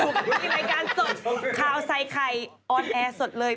มีรายการสดออนแอร์สดเลย